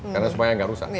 karena supaya gak rusak